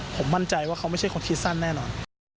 ผมมั่นใจว่าเขาไม่ใช่คนคิดสั้นแน่นอน